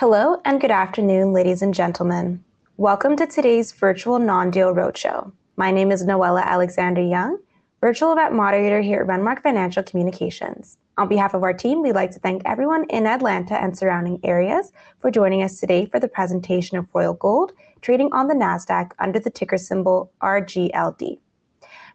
Hello and good afternoon, ladies and gentlemen. Welcome to today's virtual non-deal roadshow. My name is Noella Alexander-Young, virtual event moderator here at Renmark Financial Communications. On behalf of our team, we'd like to thank everyone in Atlanta and surrounding areas for joining us today for the presentation of Royal Gold trading on the Nasdaq under the ticker symbol RGLD.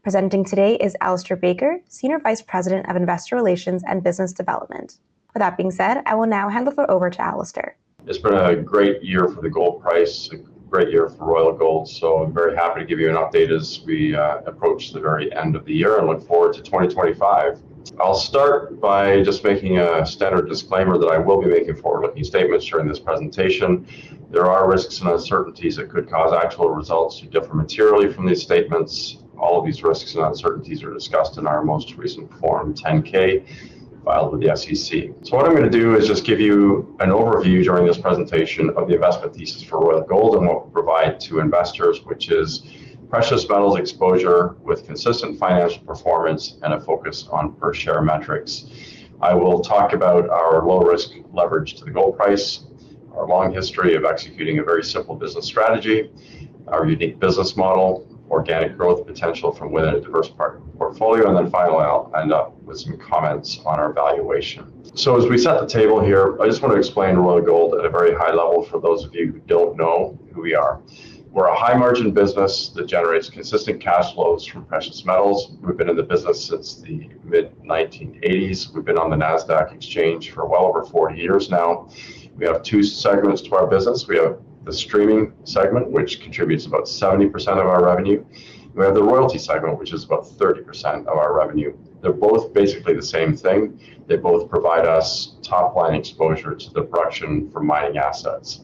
Presenting today is Alistair Baker, Senior Vice President of Investor Relations and Business Development. With that being said, I will now hand the floor over to Alistair. It's been a great year for the gold price, a great year for Royal Gold, so I'm very happy to give you an update as we approach the very end of the year and look forward to 2025. I'll start by just making a standard disclaimer that I will be making forward-looking statements during this presentation. There are risks and uncertainties that could cause actual results to differ materially from these statements. All of these risks and uncertainties are discussed in our most recent Form 10-K, filed with the SEC, so what I'm going to do is just give you an overview during this presentation of the investment thesis for Royal Gold and what we provide to investors, which is precious metals exposure with consistent financial performance and a focus on per-share metrics. I will talk about our low-risk leverage to the gold price, our long history of executing a very simple business strategy, our unique business model, organic growth potential from within a diverse portfolio, and then finally, I'll end up with some comments on our valuation. So as we set the table here, I just want to explain Royal Gold at a very high level for those of you who don't know who we are. We're a high-margin business that generates consistent cash flows from precious metals. We've been in the business since the mid-1980s. We've been on the Nasdaq exchange for well over 40 years now. We have two segments to our business. We have the streaming segment, which contributes about 70% of our revenue. We have the royalty segment, which is about 30% of our revenue. They're both basically the same thing. They both provide us top-line exposure to the production for mining assets.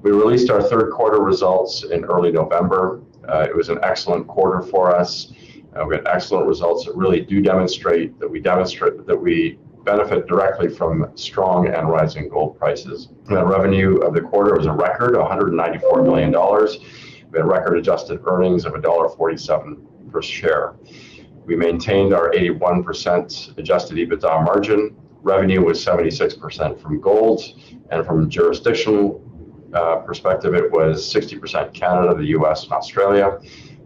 We released our third-quarter results in early November. It was an excellent quarter for us. We had excellent results that really do demonstrate that we benefit directly from strong and rising gold prices. That revenue of the quarter was a record $194 million. We had record-adjusted earnings of $1.47 per share. We maintained our 81% adjusted EBITDA margin. Revenue was 76% from gold. And from a jurisdictional perspective, it was 60% Canada, the U.S., and Australia.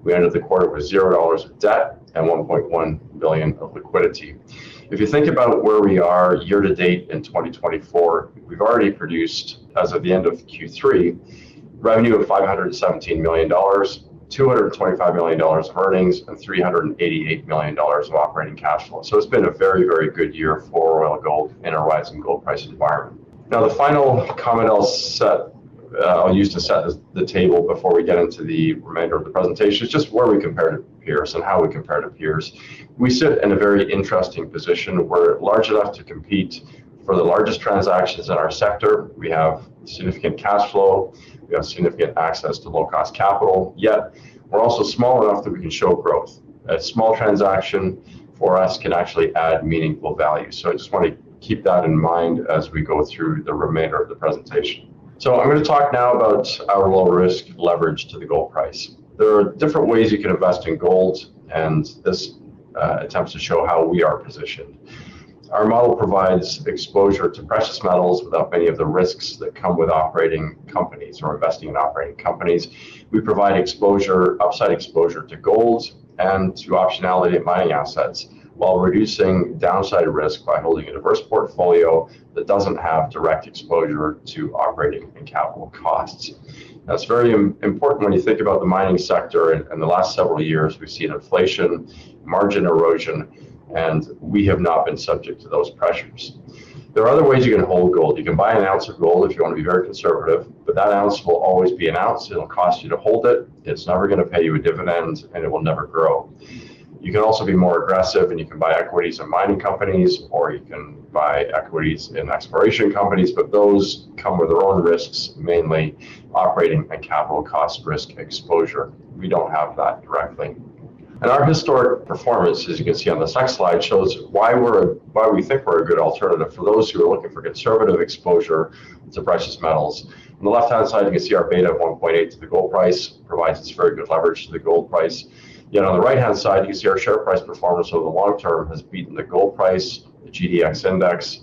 We ended the quarter with $0 of debt and $1.1 billion of liquidity. If you think about where we are year-to-date in 2024, we've already produced, as of the end of Q3, revenue of $517 million, $225 million of earnings, and $388 million of operating cash flow. So it's been a very, very good year for Royal Gold in a rising gold price environment. Now, the final comment I'll use to set the table before we get into the remainder of the presentation is just where we compare to peers and how we compare to peers. We sit in a very interesting position. We're large enough to compete for the largest transactions in our sector. We have significant cash flow. We have significant access to low-cost capital. Yet we're also small enough that we can show growth. A small transaction for us can actually add meaningful value. So I just want to keep that in mind as we go through the remainder of the presentation. So I'm going to talk now about our low-risk leverage to the gold price. There are different ways you can invest in gold, and this attempts to show how we are positioned. Our model provides exposure to precious metals without many of the risks that come with operating companies or investing in operating companies. We provide upside exposure to gold and to optionality and mining assets while reducing downside risk by holding a diverse portfolio that doesn't have direct exposure to operating and capital costs. That's very important when you think about the mining sector. In the last several years, we've seen inflation, margin erosion, and we have not been subject to those pressures. There are other ways you can hold gold. You can buy an ounce of gold if you want to be very conservative, but that ounce will always be an ounce. It'll cost you to hold it. It's never going to pay you a dividend, and it will never grow. You can also be more aggressive, and you can buy equities in mining companies, or you can buy equities in exploration companies. But those come with their own risks, mainly operating and capital cost risk exposure. We don't have that directly. And our historic performance, as you can see on this next slide, shows why we think we're a good alternative for those who are looking for conservative exposure to precious metals. On the left-hand side, you can see our beta of 1.8 to the gold price provides us very good leverage to the gold price. Yet on the right-hand side, you can see our share price performance over the long term has beaten the gold price, the GDX index,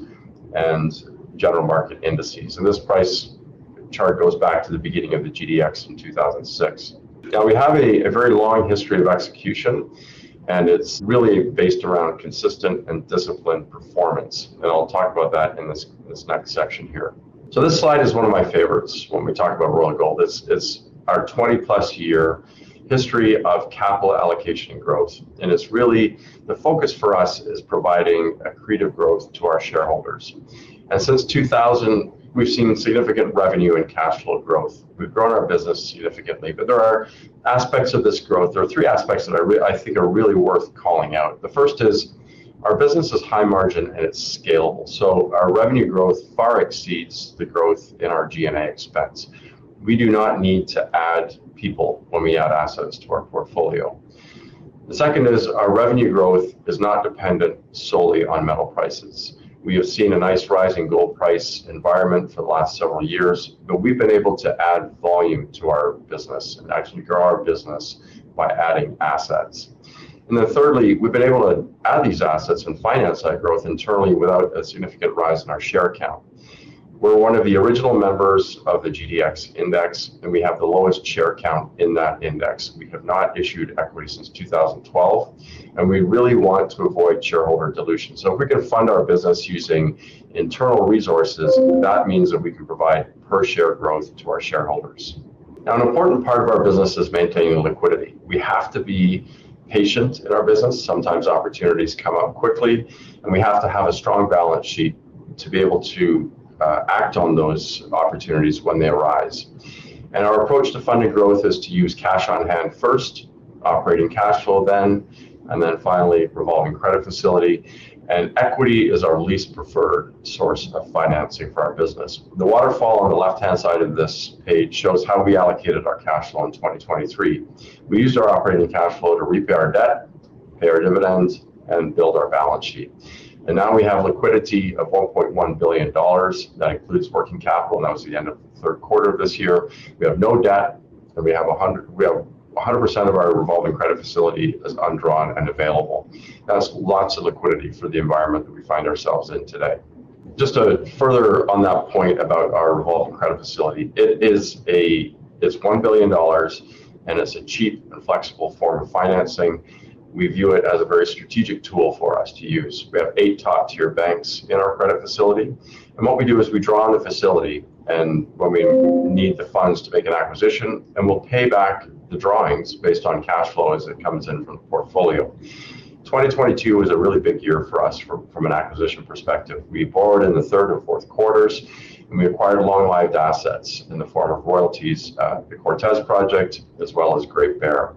and general market indices. And this price chart goes back to the beginning of the GDX in 2006. Now, we have a very long history of execution, and it's really based around consistent and disciplined performance. And I'll talk about that in this next section here. So this slide is one of my favorites when we talk about Royal Gold. It's our 20-plus year history of capital allocation and growth. And it's really the focus for us is providing accretive growth to our shareholders. And since 2000, we've seen significant revenue and cash flow growth. We've grown our business significantly. But there are aspects of this growth. There are three aspects that I think are really worth calling out. The first is our business is high margin, and it's scalable. So our revenue growth far exceeds the growth in our G&A expense. We do not need to add people when we add assets to our portfolio. The second is our revenue growth is not dependent solely on metal prices. We have seen a nice rising gold price environment for the last several years, but we've been able to add volume to our business and actually grow our business by adding assets, and then thirdly, we've been able to add these assets and finance that growth internally without a significant rise in our share count. We're one of the original members of the GDX index, and we have the lowest share count in that index. We have not issued equity since 2012, and we really want to avoid shareholder dilution, so if we can fund our business using internal resources, that means that we can provide per-share growth to our shareholders. Now, an important part of our business is maintaining liquidity. We have to be patient in our business. Sometimes opportunities come up quickly, and we have to have a strong balance sheet to be able to act on those opportunities when they arise, and our approach to funding growth is to use cash on hand first, operating cash flow then, and then finally revolving credit facility, and equity is our least preferred source of financing for our business. The waterfall on the left-hand side of this page shows how we allocated our cash flow in 2023. We used our operating cash flow to repay our debt, pay our dividends, and build our balance sheet, and now we have liquidity of $1.1 billion. That includes working capital, and that was the end of the third quarter of this year. We have no debt, and we have 100% of our revolving credit facility as undrawn and available. That's lots of liquidity for the environment that we find ourselves in today. Just to further on that point about our revolving credit facility, it's $1 billion, and it's a cheap and flexible form of financing. We view it as a very strategic tool for us to use. We have eight top-tier banks in our credit facility. And what we do is we draw on the facility when we need the funds to make an acquisition, and we'll pay back the drawings based on cash flow as it comes in from the portfolio. 2022 was a really big year for us from an acquisition perspective. We borrowed in the third and fourth quarters, and we acquired long-lived assets in the form of royalties, the Cortez Project, as well as Great Bear.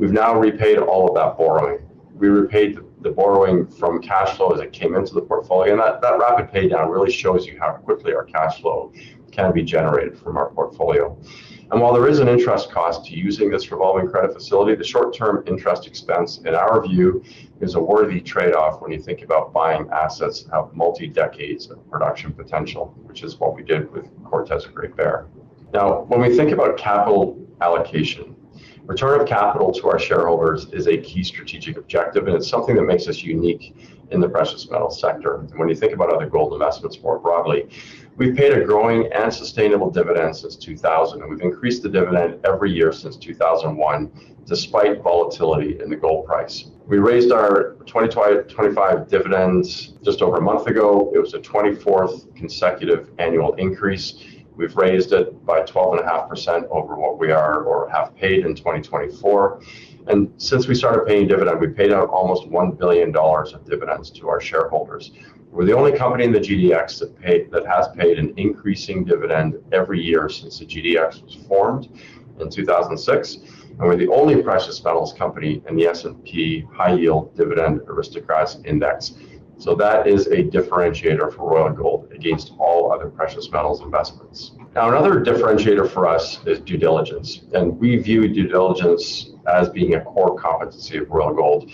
We've now repaid all of that borrowing. We repaid the borrowing from cash flow as it came into the portfolio. That rapid paydown really shows you how quickly our cash flow can be generated from our portfolio. And while there is an interest cost to using this revolving credit facility, the short-term interest expense, in our view, is a worthy trade-off when you think about buying assets that have multi-decades of production potential, which is what we did with Cortez and Great Bear. Now, when we think about capital allocation, return of capital to our shareholders is a key strategic objective, and it's something that makes us unique in the precious metal sector. And when you think about other gold investments more broadly, we've paid a growing and sustainable dividend since 2000, and we've increased the dividend every year since 2001, despite volatility in the gold price. We raised our 2020-2025 dividends just over a month ago. It was the 24th consecutive annual increase. We've raised it by 12.5% over what we are or have paid in 2024. And since we started paying dividend, we paid out almost $1 billion of dividends to our shareholders. We're the only company in the GDX that has paid an increasing dividend every year since the GDX was formed in 2006. And we're the only precious metals company in the S&P High Yield Dividend Aristocrats Index. So that is a differentiator for Royal Gold against all other precious metals investments. Now, another differentiator for us is due diligence. And we view due diligence as being a core competency of Royal Gold.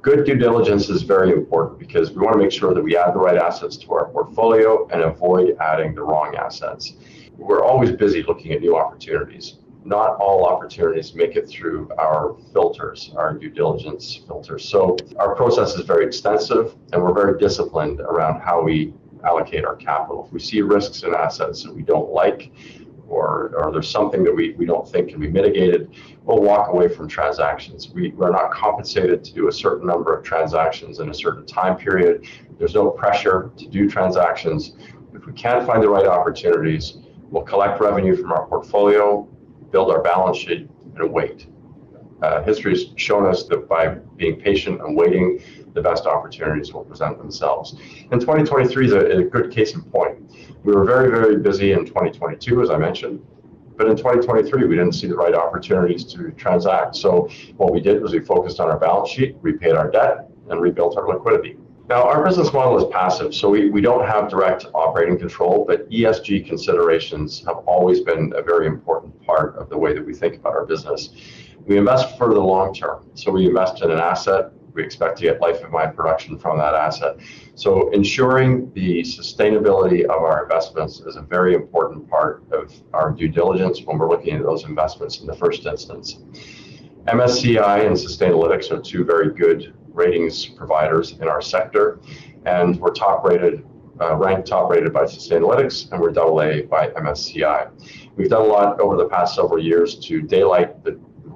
Good due diligence is very important because we want to make sure that we add the right assets to our portfolio and avoid adding the wrong assets. We're always busy looking at new opportunities. Not all opportunities make it through our filters, our due diligence filters. So our process is very extensive, and we're very disciplined around how we allocate our capital. If we see risks in assets that we don't like, or there's something that we don't think can be mitigated, we'll walk away from transactions. We're not compensated to do a certain number of transactions in a certain time period. There's no pressure to do transactions. If we can find the right opportunities, we'll collect revenue from our portfolio, build our balance sheet, and wait. History has shown us that by being patient and waiting, the best opportunities will present themselves. And 2023 is a good case in point. We were very, very busy in 2022, as I mentioned. But in 2023, we didn't see the right opportunities to transact. So what we did was we focused on our balance sheet, repaid our debt, and rebuilt our liquidity. Now, our business model is passive, so we don't have direct operating control. But ESG considerations have always been a very important part of the way that we think about our business. We invest for the long term. So we invest in an asset. We expect to get life-of-mine production from that asset. So ensuring the sustainability of our investments is a very important part of our due diligence when we're looking at those investments in the first instance. MSCI and Sustainalytics are two very good ratings providers in our sector. And we're ranked top-rated by Sustainalytics, and we're AA by MSCI. We've done a lot over the past several years to daylight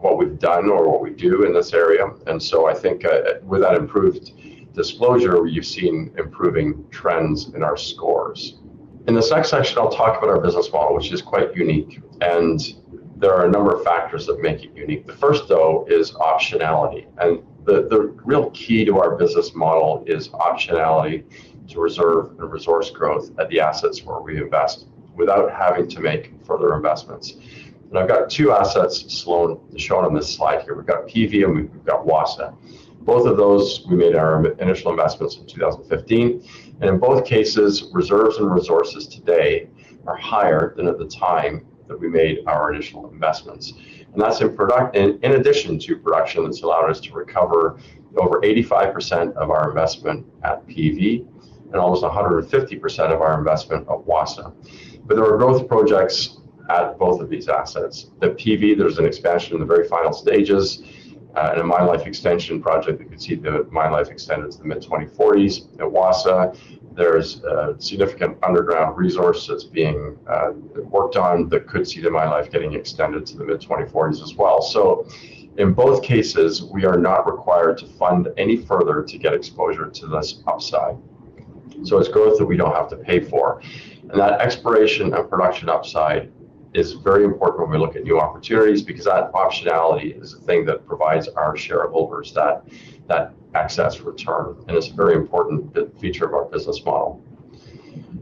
what we've done or what we do in this area. And so I think with that improved disclosure, you've seen improving trends in our scores. In this next section, I'll talk about our business model, which is quite unique. And there are a number of factors that make it unique. The first, though, is optionality. And the real key to our business model is optionality to reserve and resource growth at the assets where we invest without having to make further investments. And I've got two assets shown on this slide here. We've got PV, and we've got Wassa. Both of those, we made our initial investments in 2015. And in both cases, reserves and resources today are higher than at the time that we made our initial investments. And that's in addition to production that's allowed us to recover over 85% of our investment at PV and almost 150% of our investment at Wassa. But there are growth projects at both of these assets. At PV, there's an expansion in the very final stages. In Mine Life Extension Project, you could see that mine life extended to the mid-2040s. At Wassa, there's a significant underground resource that's being worked on that could see mine life getting extended to the mid-2040s as well. In both cases, we are not required to fund any further to get exposure to this upside. It's growth that we don't have to pay for. That exploration and production upside is very important when we look at new opportunities because that optionality is the thing that provides our shareholders that excess return. It's a very important feature of our business model.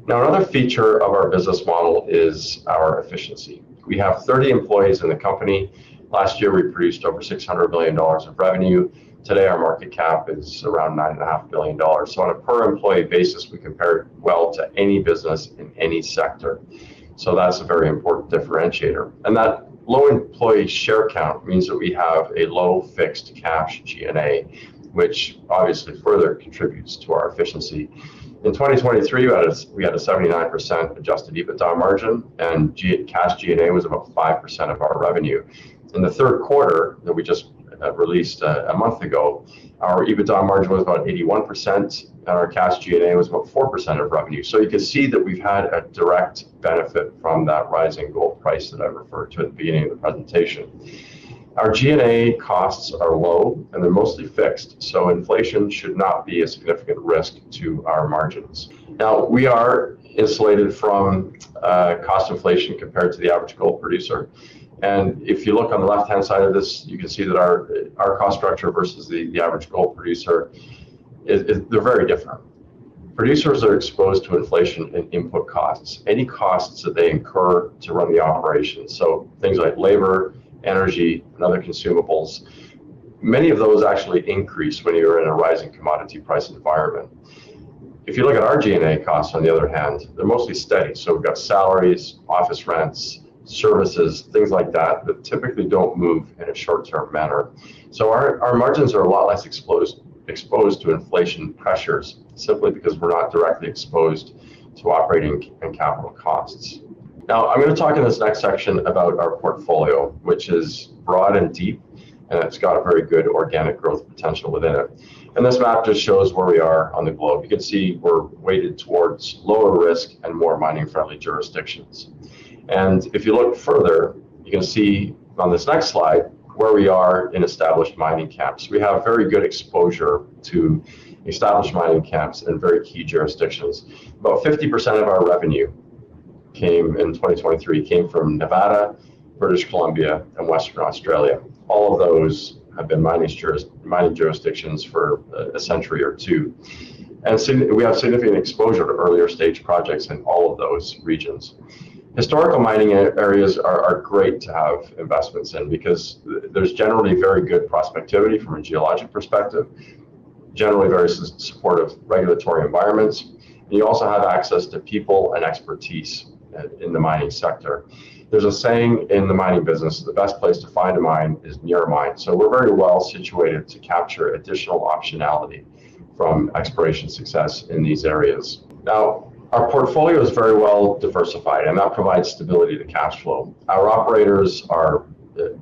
Now, another feature of our business model is our efficiency. We have 30 employees in the company. Last year, we produced over $600 billion of revenue. Today, our market cap is around $9.5 billion. On a per-employee basis, we compare well to any business in any sector. That's a very important differentiator. That low employee share count means that we have a low fixed cash G&A, which obviously further contributes to our efficiency. In 2023, we had a 79% adjusted EBITDA margin, and cash G&A was about 5% of our revenue. In the third quarter that we just released a month ago, our EBITDA margin was about 81%, and our cash G&A was about 4% of revenue. You can see that we've had a direct benefit from that rising gold price that I referred to at the beginning of the presentation. Our G&A costs are low, and they're mostly fixed. Inflation should not be a significant risk to our margins. We are insulated from cost inflation compared to the average gold producer. If you look on the left-hand side of this, you can see that our cost structure versus the average gold producer, they're very different. Producers are exposed to inflation and input costs, any costs that they incur to run the operation. Things like labor, energy, and other consumables, many of those actually increase when you're in a rising commodity price environment. If you look at our G&A costs, on the other hand, they're mostly steady. We've got salaries, office rents, services, things like that that typically don't move in a short-term manner. Our margins are a lot less exposed to inflation pressures simply because we're not directly exposed to operating and capital costs. Now, I'm going to talk in this next section about our portfolio, which is broad and deep, and it's got a very good organic growth potential within it. This map just shows where we are on the globe. You can see we're weighted towards lower risk and more mining-friendly jurisdictions. If you look further, you can see on this next slide where we are in established mining camps. We have very good exposure to established mining camps and very key jurisdictions. About 50% of our revenue came in 2023, came from Nevada, British Columbia, and Western Australia. All of those have been mining jurisdictions for a century or two. We have significant exposure to earlier stage projects in all of those regions. Historical mining areas are great to have investments in because there's generally very good prospectivity from a geologic perspective, generally very supportive regulatory environments. You also have access to people and expertise in the mining sector. There's a saying in the mining business, "The best place to find a mine is near a mine." So we're very well situated to capture additional optionality from exploration success in these areas. Now, our portfolio is very well diversified, and that provides stability to cash flow. Our operators are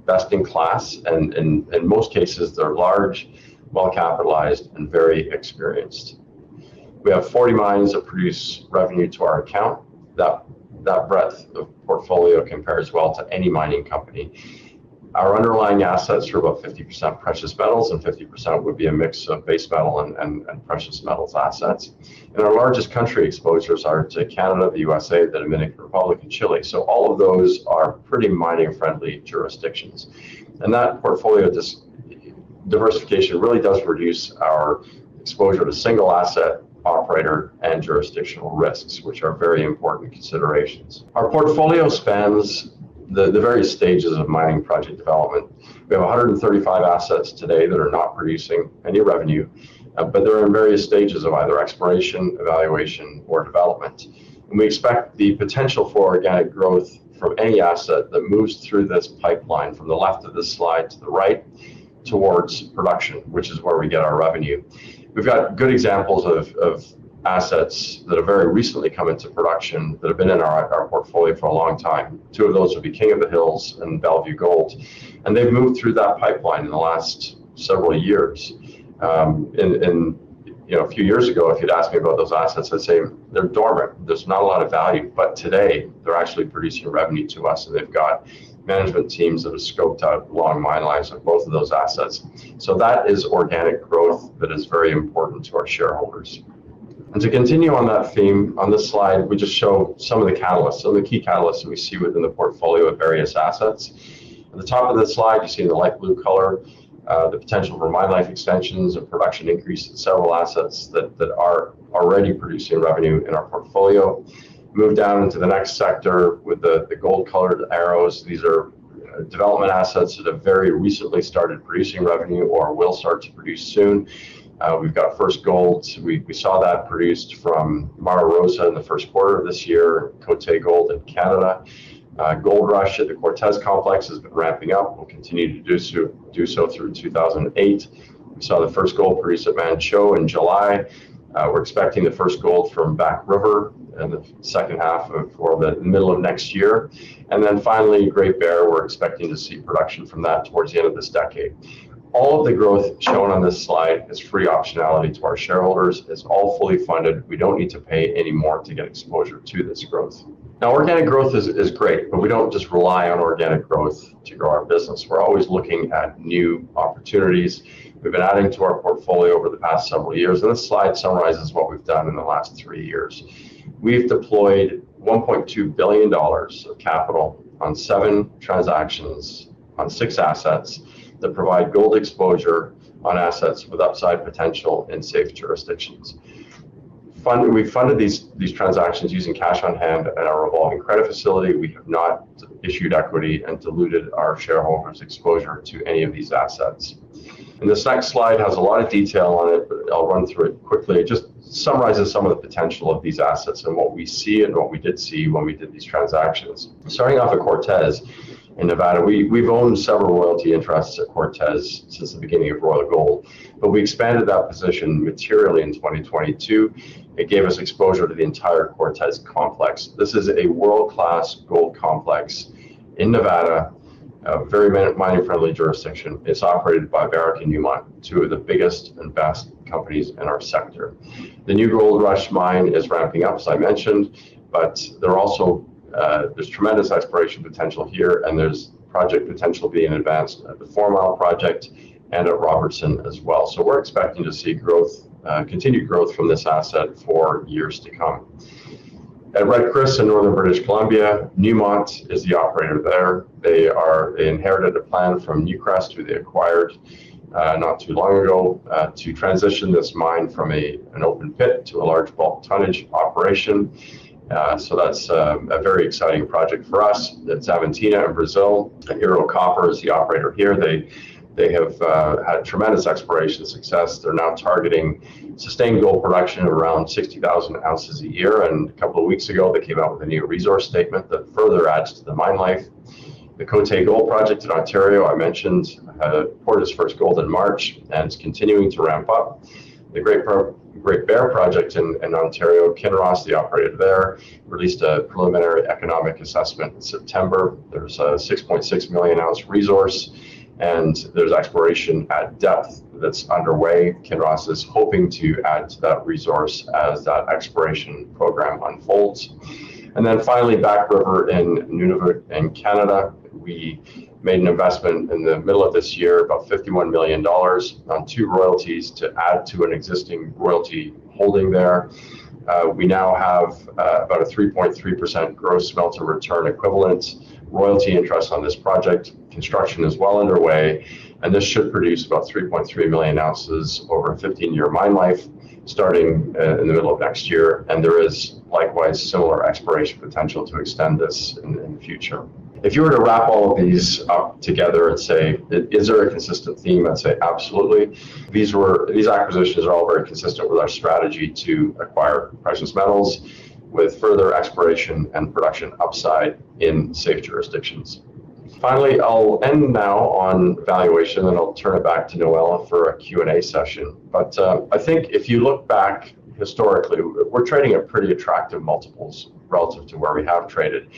best in class, and in most cases, they're large, well-capitalized, and very experienced. We have 40 mines that produce revenue to our account. That breadth of portfolio compares well to any mining company. Our underlying assets are about 50% precious metals, and 50% would be a mix of base metal and precious metals assets. And our largest country exposures are to Canada, the USA, the Dominican Republic, and Chile. So all of those are pretty mining-friendly jurisdictions. And that portfolio diversification really does reduce our exposure to single asset operator and jurisdictional risks, which are very important considerations. Our portfolio spans the various stages of mining project development. We have 135 assets today that are not producing any revenue, but they're in various stages of either exploration, evaluation, or development, and we expect the potential for organic growth from any asset that moves through this pipeline from the left of this slide to the right towards production, which is where we get our revenue. We've got good examples of assets that have very recently come into production that have been in our portfolio for a long time. Two of those would be King of the Hills and Bellevue Gold, and they've moved through that pipeline in the last several years, and a few years ago, if you'd asked me about those assets, I'd say they're dormant. There's not a lot of value. But today, they're actually producing revenue to us, and they've got management teams that have scoped out long mine lives on both of those assets. So that is organic growth that is very important to our shareholders. And to continue on that theme, on this slide, we just show some of the catalysts, some of the key catalysts that we see within the portfolio at various assets. At the top of this slide, you see in the light blue color, the potential for mine life extensions and production increase in several assets that are already producing revenue in our portfolio. Move down into the next sector with the gold-colored arrows. These are development assets that have very recently started producing revenue or will start to produce soon. We've got first gold. We saw that produced from Mara Rosa in the first quarter of this year, Côté Gold in Canada. Goldrush at the Cortez Complex has been ramping up. We'll continue to do so through 2008. We saw the first gold produce at Manh Choh in July. We're expecting the first gold from Back River in the second half or the middle of next year. Then finally, Great Bear, we're expecting to see production from that towards the end of this decade. All of the growth shown on this slide is free optionality to our shareholders. It's all fully funded. We don't need to pay any more to get exposure to this growth. Now, organic growth is great, but we don't just rely on organic growth to grow our business. We're always looking at new opportunities. We've been adding to our portfolio over the past several years. This slide summarizes what we've done in the last three years. We've deployed $1.2 billion of capital on seven transactions on six assets that provide gold exposure on assets with upside potential in safe jurisdictions. We funded these transactions using cash on hand at our revolving credit facility. We have not issued equity and diluted our shareholders' exposure to any of these assets, and this next slide has a lot of detail on it, but I'll run through it quickly. It just summarizes some of the potential of these assets and what we see and what we did see when we did these transactions. Starting off at Cortez in Nevada, we've owned several royalty interests at Cortez since the beginning of Royal Gold, but we expanded that position materially in 2022. It gave us exposure to the entire Cortez Complex. This is a world-class gold complex in Nevada, a very mining-friendly jurisdiction. It's operated by Barrick and Newmont, two of the biggest and best companies in our sector. The Goldrush Mine is ramping up, as I mentioned, but there's tremendous exploration potential here, and there's project potential being advanced at the Fourmile Project and at Robertson as well, so we're expecting to see continued growth from this asset for years to come. At Red Chris in Northern British Columbia, Newmont is the operator there. They inherited a plan from Newcrest who they acquired not too long ago to transition this mine from an open pit to a large bulk tonnage operation, so that's a very exciting project for us. At Xavantina in Brazil, Ero Copper is the operator here. They have had tremendous exploration success. They're now targeting sustained gold production of around 60,000 ounces a year. A couple of weeks ago, they came out with a new resource statement that further adds to the mine life. The Côté Gold Project in Ontario, I mentioned, poured its first gold in March and is continuing to ramp up. The Great Bear Project in Ontario, Kinross the operator there, released a preliminary economic assessment in September. There's a 6.6 million oz resource, and there's exploration at depth that's underway. Kinross is hoping to add to that resource as that exploration program unfolds. And then finally, Back River in Nunavut in Canada. We made an investment in the middle of this year, about $51 million, on two royalties to add to an existing royalty holding there. We now have about a 3.3% gross smelter return equivalent royalty interest on this project. Construction is well underway, and this should produce about 3.3 million oz over a 15-year mine life starting in the middle of next year. And there is likewise similar exploration potential to extend this in the future. If you were to wrap all of these up together and say, "Is there a consistent theme?" I'd say, "Absolutely." These acquisitions are all very consistent with our strategy to acquire precious metals with further exploration and production upside in safe jurisdictions. Finally, I'll end now on valuation, and I'll turn it back to Noella for a Q&A session. But I think if you look back historically, we're trading at pretty attractive multiples relative to where we have traded.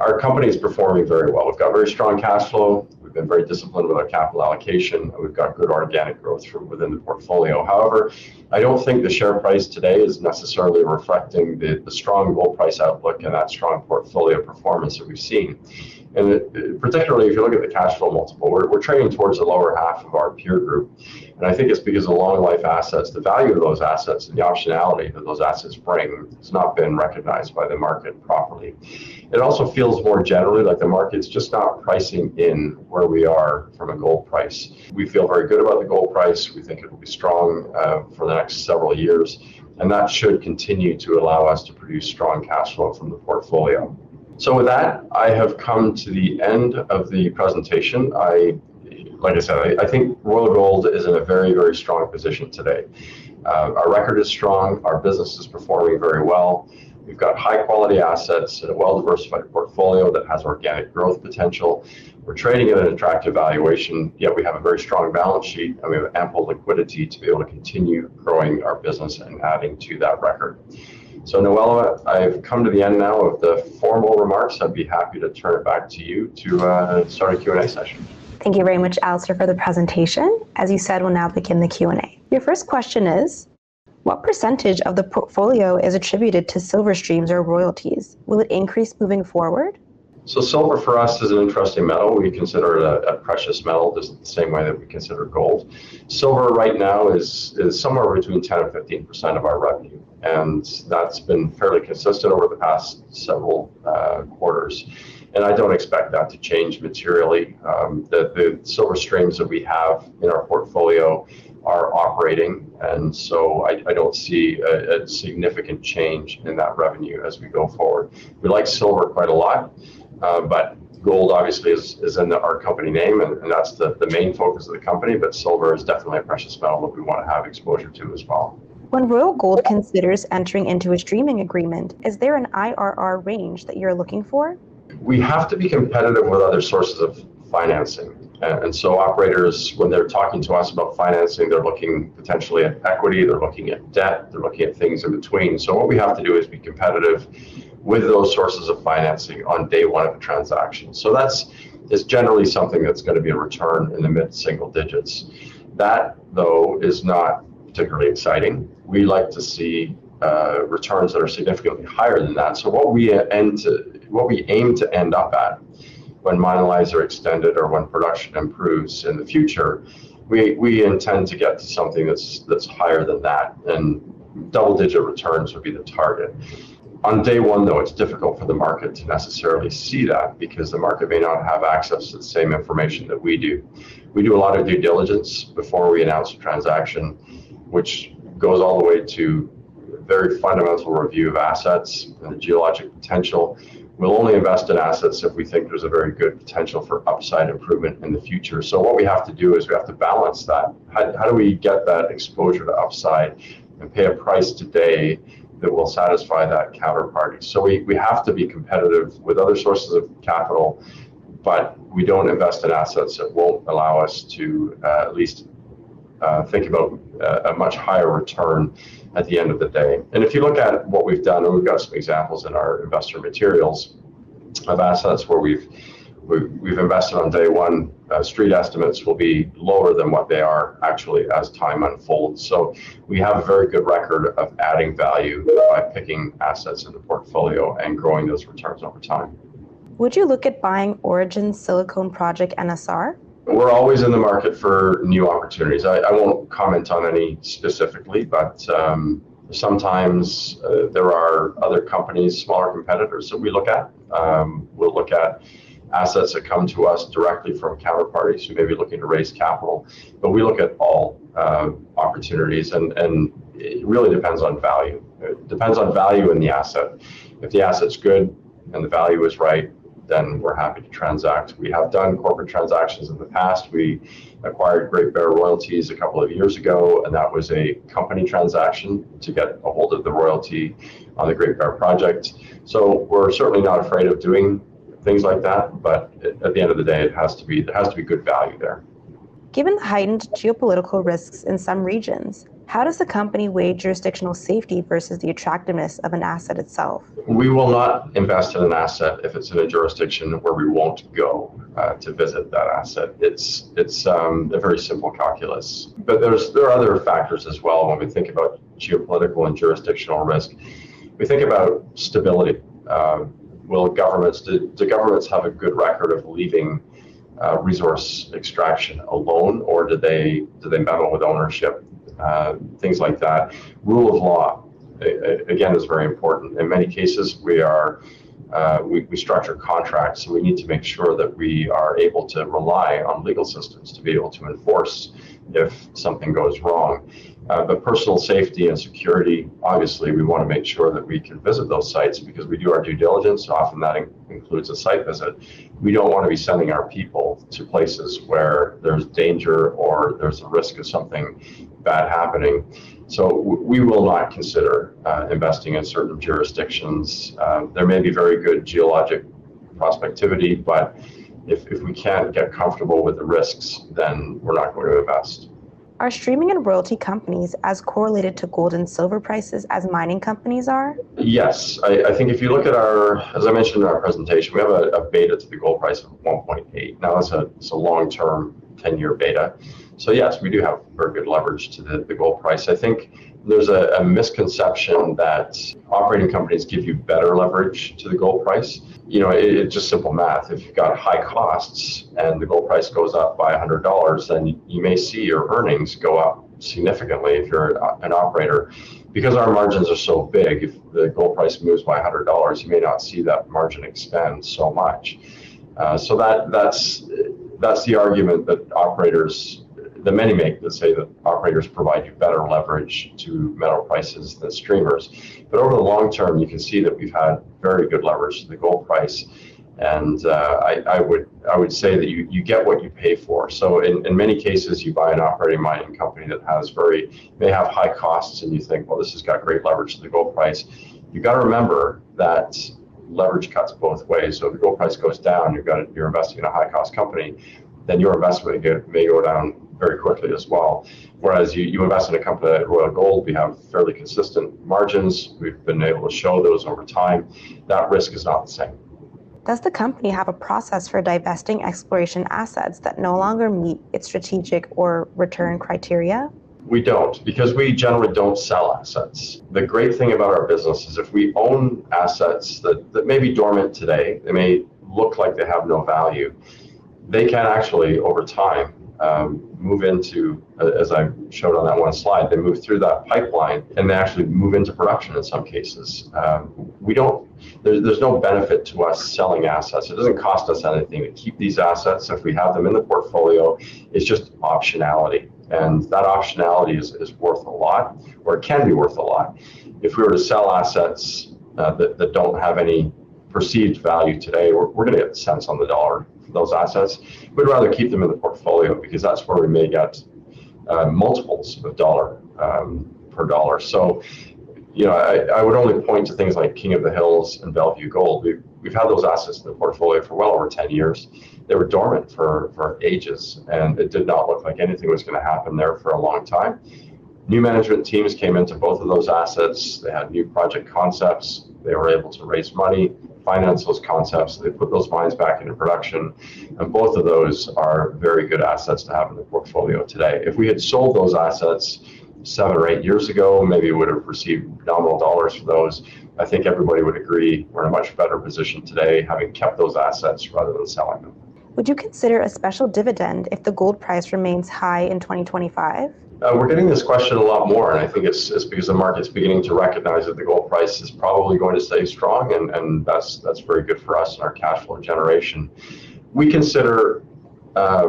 Our company is performing very well. We've got very strong cash flow. We've been very disciplined with our capital allocation, and we've got good organic growth from within the portfolio. However, I don't think the share price today is necessarily reflecting the strong gold price outlook and that strong portfolio performance that we've seen, and particularly, if you look at the cash flow multiple, we're trading towards the lower half of our peer group, and I think it's because of long-life assets. The value of those assets and the optionality that those assets bring has not been recognized by the market properly. It also feels more generally like the market's just not pricing in where we are from a gold price. We feel very good about the gold price. We think it will be strong for the next several years, and that should continue to allow us to produce strong cash flow from the portfolio, so with that, I have come to the end of the presentation. Like I said, I think Royal Gold is in a very, very strong position today. Our record is strong. Our business is performing very well. We've got high-quality assets and a well-diversified portfolio that has organic growth potential. We're trading at an attractive valuation, yet we have a very strong balance sheet, and we have ample liquidity to be able to continue growing our business and adding to that record. So Noella, I've come to the end now of the formal remarks. I'd be happy to turn it back to you to start a Q&A session. Thank you very much, Alistair, for the presentation. As you said, we'll now begin the Q&A. Your first question is, "What percentage of the portfolio is attributed to silver streams or royalties? Will it increase moving forward?" So silver for us is an interesting metal. We consider it a precious metal just the same way that we consider gold. Silver right now is somewhere between 10% and 15% of our revenue, and that's been fairly consistent over the past several quarters. And I don't expect that to change materially. The silver streams that we have in our portfolio are operating, and so I don't see a significant change in that revenue as we go forward. We like silver quite a lot, but gold obviously is in our company name, and that's the main focus of the company. But silver is definitely a precious metal that we want to have exposure to as well. When Royal Gold considers entering into a streaming agreement, is there an IRR range that you're looking for? We have to be competitive with other sources of financing. And so, operators, when they're talking to us about financing, they're looking potentially at equity. They're looking at debt. They're looking at things in between. So what we have to do is be competitive with those sources of financing on day one of the transaction. So that's generally something that's going to be a return in the mid-single digits. That, though, is not particularly exciting. We like to see returns that are significantly higher than that. So what we aim to end up at when mine life is extended or when production improves in the future, we intend to get to something that's higher than that, and double-digit returns would be the target. On day one, though, it's difficult for the market to necessarily see that because the market may not have access to the same information that we do. We do a lot of due diligence before we announce a transaction, which goes all the way to very fundamental review of assets and the geologic potential. We'll only invest in assets if we think there's a very good potential for upside improvement in the future. So what we have to do is we have to balance that. How do we get that exposure to upside and pay a price today that will satisfy that counterparty? So we have to be competitive with other sources of capital, but we don't invest in assets that won't allow us to at least think about a much higher return at the end of the day. And if you look at what we've done, and we've got some examples in our investor materials of assets where we've invested on day one, Street estimates will be lower than what they are actually as time unfolds. We have a very good record of adding value by picking assets in the portfolio and growing those returns over time. Would you look at buying Orogen Silicon Project NSR? We're always in the market for new opportunities. I won't comment on any specifically, but sometimes there are other companies, smaller competitors that we look at. We'll look at assets that come to us directly from counterparties who may be looking to raise capital. But we look at all opportunities, and it really depends on value. It depends on value in the asset. If the asset's good and the value is right, then we're happy to transact. We have done corporate transactions in the past. We acquired Great Bear Royalties a couple of years ago, and that was a company transaction to get a hold of the royalty on the Great Bear Project. So we're certainly not afraid of doing things like that, but at the end of the day, it has to be good value there. Given the heightened geopolitical risks in some regions, how does the company weigh jurisdictional safety versus the attractiveness of an asset itself? We will not invest in an asset if it's in a jurisdiction where we won't go to visit that asset. It's a very simple calculus. But there are other factors as well when we think about geopolitical and jurisdictional risk. We think about stability. Do governments have a good record of leaving resource extraction alone, or do they meddle with ownership, things like that. Rule of law, again, is very important. In many cases, we structure contracts, so we need to make sure that we are able to rely on legal systems to be able to enforce if something goes wrong. But personal safety and security, obviously, we want to make sure that we can visit those sites because we do our due diligence. Often that includes a site visit. We don't want to be sending our people to places where there's danger or there's a risk of something bad happening. So we will not consider investing in certain jurisdictions. There may be very good geologic prospectivity, but if we can't get comfortable with the risks, then we're not going to invest. Are streaming and royalty companies as correlated to gold and silver prices as mining companies are? Yes. I think if you look at our, as I mentioned in our presentation, we have a beta to the gold price of 1.8. Now it's a long-term 10-year beta. So yes, we do have very good leverage to the gold price. I think there's a misconception that operating companies give you better leverage to the gold price. It's just simple math. If you've got high costs and the gold price goes up by $100, then you may see your earnings go up significantly if you're an operator. Because our margins are so big, if the gold price moves by $100, you may not see that margin expand so much. So that's the argument that many make that say that operators provide you better leverage to metal prices than streamers. But over the long term, you can see that we've had very good leverage to the gold price, and I would say that you get what you pay for. So in many cases, you buy an operating mining company that may have high costs, and you think, "Well, this has got great leverage to the gold price." You've got to remember that leverage cuts both ways. So if the gold price goes down, you're investing in a high-cost company, then your investment may go down very quickly as well. Whereas you invest in a company like Royal Gold, we have fairly consistent margins. We've been able to show those over time. That risk is not the same. Does the company have a process for divesting exploration assets that no longer meet its strategic or return criteria? We don't because we generally don't sell assets. The great thing about our business is if we own assets that may be dormant today, they may look like they have no value. They can actually, over time, move into, as I showed on that one slide, they move through that pipeline, and they actually move into production in some cases. There's no benefit to us selling assets. It doesn't cost us anything to keep these assets if we have them in the portfolio. It's just optionality, and that optionality is worth a lot, or it can be worth a lot. If we were to sell assets that don't have any perceived value today, we're going to get cents on the dollar for those assets. We'd rather keep them in the portfolio because that's where we may get multiples of dollar per dollar. So I would only point to things like King of the Hills and Bellevue Gold. We've had those assets in the portfolio for well over 10 years. They were dormant for ages, and it did not look like anything was going to happen there for a long time. New management teams came into both of those assets. They had new project concepts. They were able to raise money, finance those concepts. They put those mines back into production, and both of those are very good assets to have in the portfolio today. If we had sold those assets seven or eight years ago, maybe we would have received nominal dollars for those. I think everybody would agree we're in a much better position today having kept those assets rather than selling them. Would you consider a special dividend if the gold price remains high in 2025? We're getting this question a lot more, and I think it's because the market's beginning to recognize that the gold price is probably going to stay strong, and that's very good for us and our cash flow generation. We consider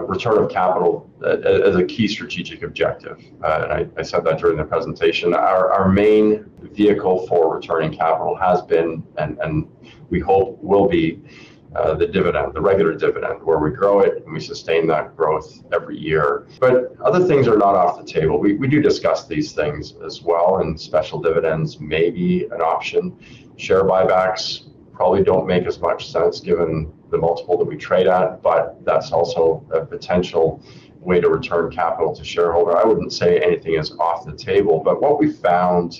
return of capital as a key strategic objective, and I said that during the presentation. Our main vehicle for returning capital has been, and we hope will be, the regular dividend where we grow it, and we sustain that growth every year. But other things are not off the table. We do discuss these things as well, and special dividends may be an option. Share buybacks probably don't make as much sense given the multiple that we trade at, but that's also a potential way to return capital to shareholders. I wouldn't say anything is off the table, but what we found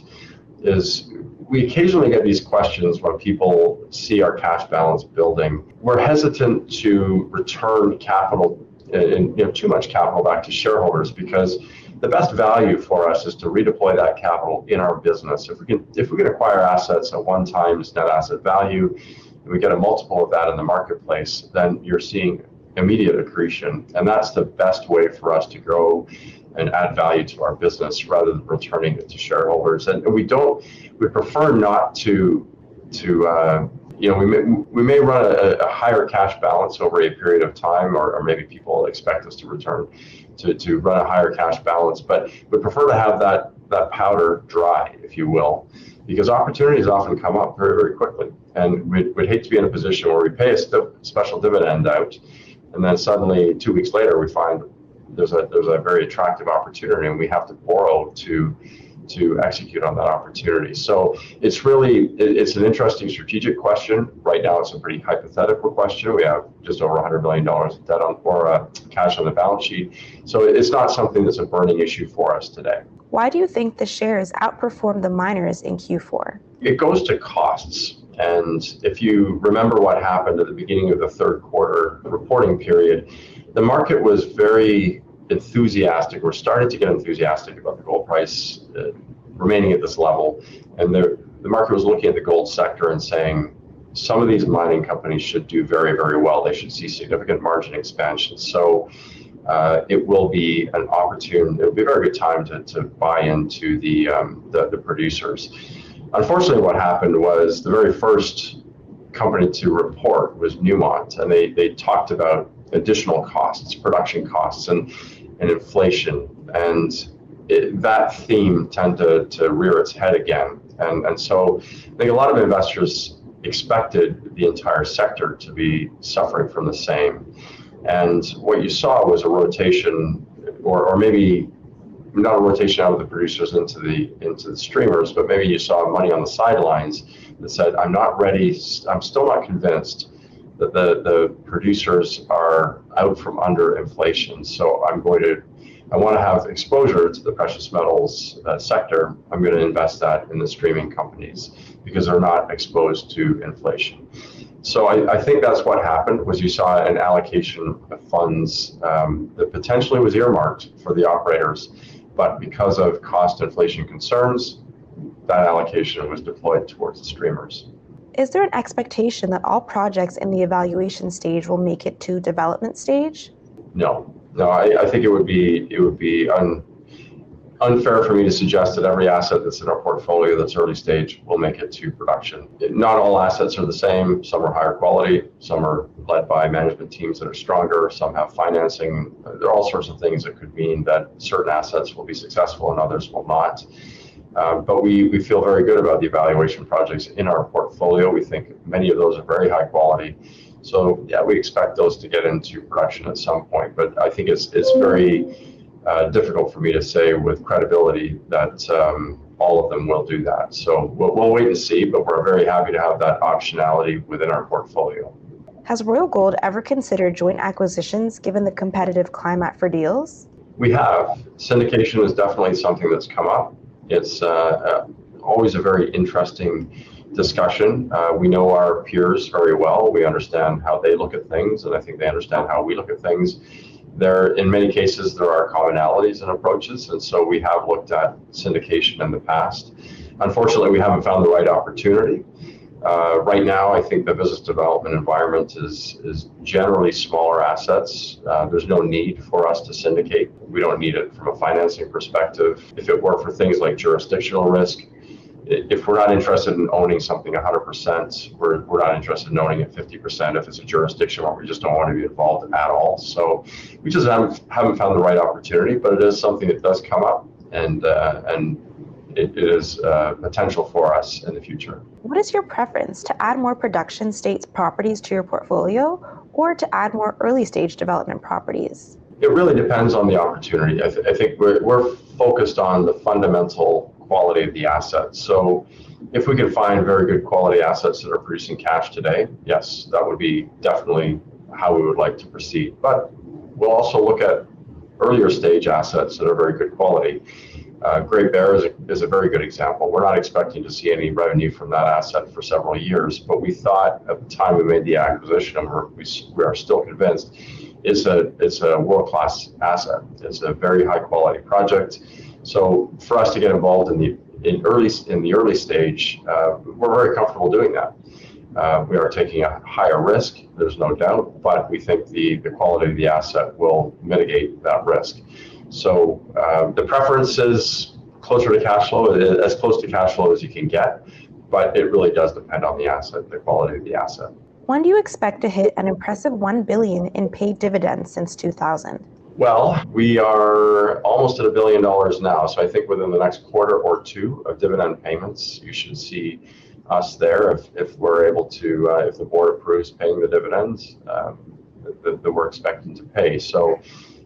is we occasionally get these questions when people see our cash balance building. We're hesitant to return capital and too much capital back to shareholders because the best value for us is to redeploy that capital in our business. If we can acquire assets at one time as net asset value, and we get a multiple of that in the marketplace, then you're seeing immediate accretion, and that's the best way for us to grow and add value to our business rather than returning it to shareholders. And we prefer not to, we may run a higher cash balance over a period of time, or maybe people expect us to return to run a higher cash balance, but we prefer to have that powder dry, if you will, because opportunities often come up very, very quickly. And we'd hate to be in a position where we pay a special dividend out, and then suddenly, two weeks later, we find there's a very attractive opportunity, and we have to borrow to execute on that opportunity. So it's an interesting strategic question. Right now, it's a pretty hypothetical question. We have just over $100 million of cash on the balance sheet. So it's not something that's a burning issue for us today. Why do you think the shares outperformed the miners in Q4? It goes to costs. And if you remember what happened at the beginning of the third quarter reporting period, the market was very enthusiastic. We're starting to get enthusiastic about the gold price remaining at this level, and the market was looking at the gold sector and saying, "Some of these mining companies should do very, very well. They should see significant margin expansion. So it will be an opportunity. It'll be a very good time to buy into the producers. Unfortunately, what happened was the very first company to report was Newmont, and they talked about additional costs, production costs, and inflation. And that theme tended to rear its head again. And so I think a lot of investors expected the entire sector to be suffering from the same. And what you saw was a rotation, or maybe not a rotation out of the producers into the streamers, but maybe you saw money on the sidelines that said, "I'm not ready. I'm still not convinced that the producers are out from under inflation. So I want to have exposure to the precious metals sector. I'm going to invest that in the streaming companies because they're not exposed to inflation," so I think that's what happened was you saw an allocation of funds that potentially was earmarked for the operators, but because of cost inflation concerns, that allocation was deployed towards the streamers. Is there an expectation that all projects in the evaluation stage will make it to development stage? No. No. I think it would be unfair for me to suggest that every asset that's in our portfolio that's early stage will make it to production. Not all assets are the same. Some are higher quality. Some are led by management teams that are stronger. Some have financing. There are all sorts of things that could mean that certain assets will be successful and others will not, but we feel very good about the evaluation projects in our portfolio. We think many of those are very high quality. So yeah, we expect those to get into production at some point, but I think it's very difficult for me to say with credibility that all of them will do that. So we'll wait and see, but we're very happy to have that optionality within our portfolio. Has Royal Gold ever considered joint acquisitions given the competitive climate for deals? We have. Syndication is definitely something that's come up. It's always a very interesting discussion. We know our peers very well. We understand how they look at things, and I think they understand how we look at things. In many cases, there are commonalities in approaches, and so we have looked at syndication in the past. Unfortunately, we haven't found the right opportunity. Right now, I think the business development environment is generally smaller assets. There's no need for us to syndicate. We don't need it from a financing perspective. If it were for things like jurisdictional risk, if we're not interested in owning something 100%, we're not interested in owning it 50%. If it's a jurisdictional one, we just don't want to be involved at all. So we just haven't found the right opportunity, but it is something that does come up, and it is potential for us in the future. What is your preference: to add more producing-stage properties to your portfolio or to add more early-stage development properties? It really depends on the opportunity. I think we're focused on the fundamental quality of the assets. So if we can find very good quality assets that are producing cash today, yes, that would be definitely how we would like to proceed. But we'll also look at earlier-stage assets that are very good quality. Great Bear is a very good example. We're not expecting to see any revenue from that asset for several years, but we thought at the time we made the acquisition, and we are still convinced, it's a world-class asset. It's a very high-quality project. So for us to get involved in the early stage, we're very comfortable doing that. We are taking a higher risk, there's no doubt, but we think the quality of the asset will mitigate that risk. So the preference is closer to cash flow, as close to cash flow as you can get, but it really does depend on the asset, the quality of the asset. When do you expect to hit an impressive $1 billion in paid dividends since 2000? Well, we are almost at $1 billion now. So I think within the next quarter or two of dividend payments, you should see us there. If we're able to, if the board approves paying the dividends that we're expecting to pay. So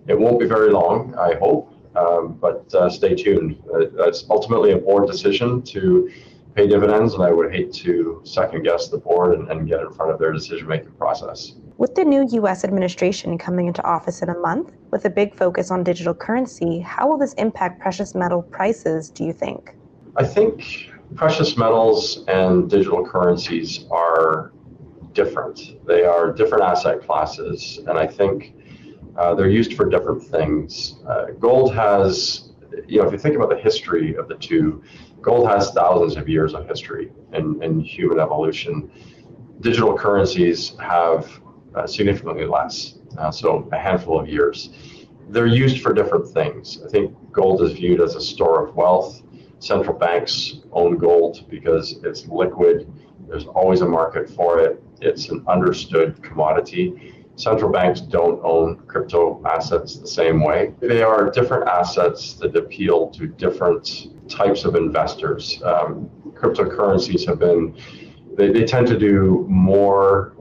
it won't be very long, I hope, but stay tuned. That's ultimately a board decision to pay dividends, and I would hate to second-guess the board and get in front of their decision-making process. With the new U.S. administration coming into office in a month, with a big focus on digital currency, how will this impact precious metal prices, do you think? I think precious metals and digital currencies are different. They are different asset classes, and I think they're used for different things. If you think about the history of the two, gold has thousands of years of history in human evolution. Digital currencies have significantly less, so a handful of years. They're used for different things. I think gold is viewed as a store of wealth. Central banks own gold because it's liquid. There's always a market for it. It's an understood commodity. Central banks don't own crypto assets the same way. They are different assets that appeal to different types of investors. Cryptocurrencies, they tend to do more,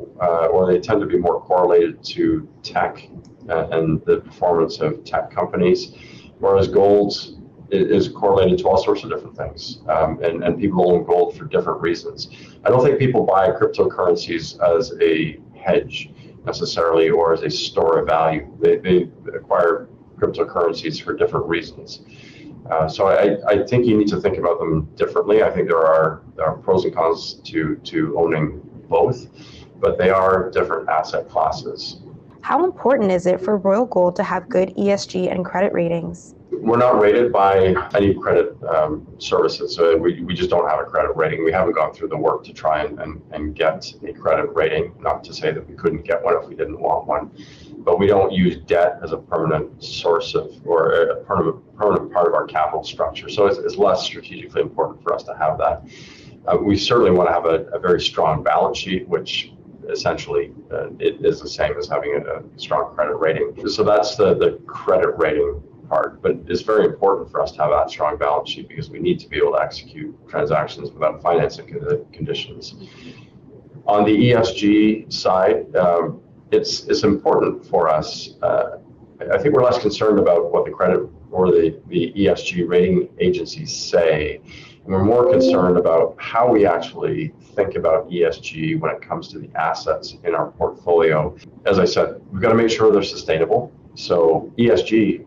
or they tend to be more correlated to tech and the performance of tech companies, whereas gold is correlated to all sorts of different things, and people own gold for different reasons. I don't think people buy cryptocurrencies as a hedge necessarily or as a store of value. They acquire cryptocurrencies for different reasons. So I think you need to think about them differently. I think there are pros and cons to owning both, but they are different asset classes. How important is it for Royal Gold to have good ESG and credit ratings? We're not rated by any credit services, so we just don't have a credit rating. We haven't gone through the work to try and get a credit rating, not to say that we couldn't get one if we didn't want one, but we don't use debt as a permanent source of, or a permanent part of our capital structure, so it's less strategically important for us to have that. We certainly want to have a very strong balance sheet, which essentially is the same as having a strong credit rating, so that's the credit rating part, but it's very important for us to have that strong balance sheet because we need to be able to execute transactions without financing conditions. On the ESG side, it's important for us. I think we're less concerned about what the credit or the ESG rating agencies say. We're more concerned about how we actually think about ESG when it comes to the assets in our portfolio. As I said, we've got to make sure they're sustainable. So ESG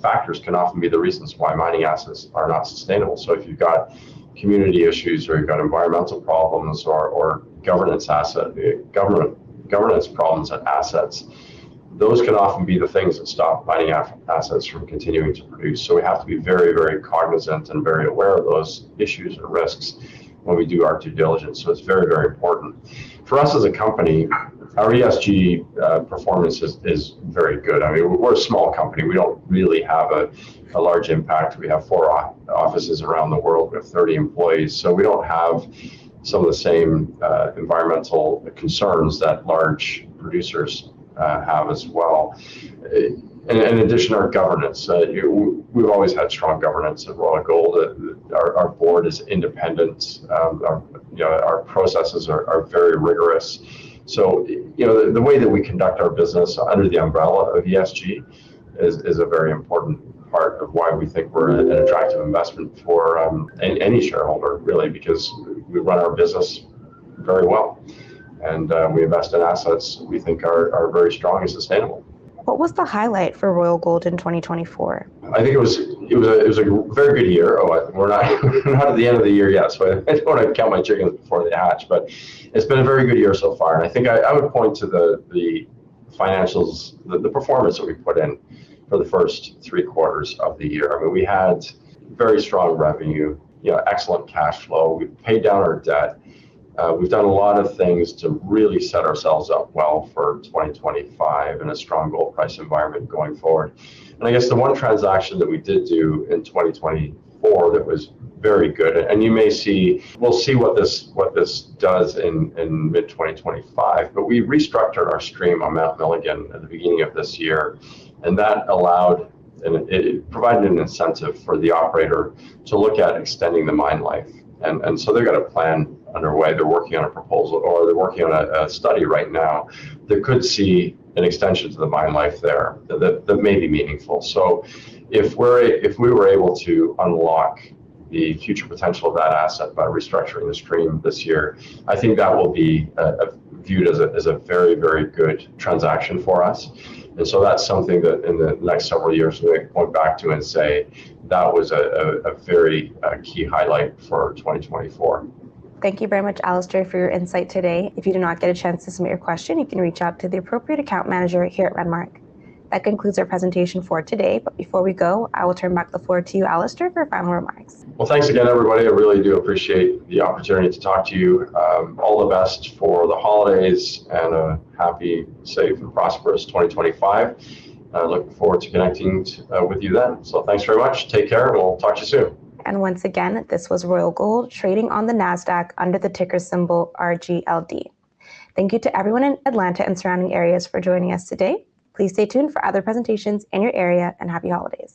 factors can often be the reasons why mining assets are not sustainable. So if you've got community issues or you've got environmental problems or governance problems at assets, those can often be the things that stop mining assets from continuing to produce. So we have to be very, very cognizant and very aware of those issues and risks when we do our due diligence. So it's very, very important. For us as a company, our ESG performance is very good. I mean, we're a small company. We don't really have a large impact. We have four offices around the world. We have 30 employees. So we don't have some of the same environmental concerns that large producers have as well. In addition, our governance. We've always had strong governance at Royal Gold. Our board is independent. Our processes are very rigorous. So the way that we conduct our business under the umbrella of ESG is a very important part of why we think we're an attractive investment for any shareholder, really, because we run our business very well, and we invest in assets we think are very strong and sustainable. What was the highlight for Royal Gold in 2024? I think it was a very good year. We're not at the end of the year yet, so I don't want to count my chickens before they hatch, but it's been a very good year so far. And I think I would point to the financials, the performance that we put in for the first three quarters of the year. I mean, we had very strong revenue, excellent cash flow. We paid down our debt. We've done a lot of things to really set ourselves up well for 2025 and a strong gold price environment going forward. And I guess the one transaction that we did do in 2024 that was very good, and you may see. We'll see what this does in mid-2025, but we restructured our stream on Mount Milligan at the beginning of this year, and that allowed. It provided an incentive for the operator to look at extending the mine life. And so they've got a plan underway. They're working on a proposal, or they're working on a study right now that could see an extension to the mine life there that may be meaningful. So if we were able to unlock the future potential of that asset by restructuring the stream this year, I think that will be viewed as a very, very good transaction for us. And so that's something that in the next several years we might point back to and say that was a very key highlight for 2024. Thank you very much, Alistair, for your insight today. If you do not get a chance to submit your question, you can reach out to the appropriate account manager here at Renmark. That concludes our presentation for today, but before we go, I will turn back the floor to you, Alistair, for final remarks. Well, thanks again, everybody. I really do appreciate the opportunity to talk to you. All the best for the holidays and a happy, safe, and prosperous 2025. I look forward to connecting with you then. Thanks very much. Take care, and we'll talk to you soon. Once again, this was Royal Gold trading on the Nasdaq under the ticker symbol RGLD. Thank you to everyone in Atlanta and surrounding areas for joining us today. Please stay tuned for other presentations in your area, and happy holidays.